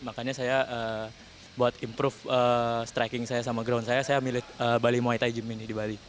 makanya saya buat improve streking saya sama ground saya saya milik bali muay thai gym ini di bali